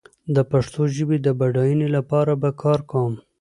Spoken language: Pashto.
د پښتو ژبې د بډايينې لپاره به کار کوم